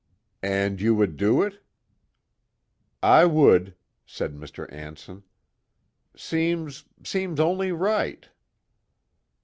"And you would do it?" "I would," said Mr. Anson. "Seems seems only right."